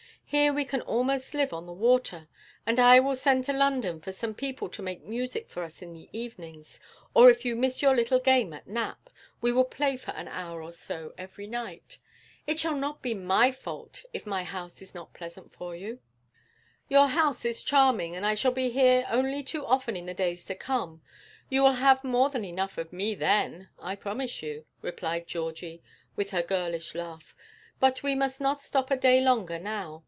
Here we can almost live on the water; and I will send to London for some people to make music for us in the evenings, or if you miss your little game at "Nap," we will play for an hour or so every night. It shall not be my fault if my house is not pleasant for you.' 'Your house is charming, and I shall be here only too often in the days to come; you will have more than enough of me then, I promise you,' replied Georgie, with her girlish laugh, 'but we must not stop a day longer now.